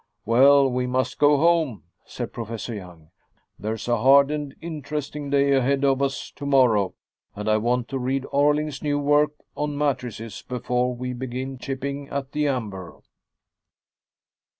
"Well, we must go home," said Professor Young. "There's a hard and interesting day ahead of us to morrow, and I want to read Orling's new work on matrices before we begin chipping at the amber."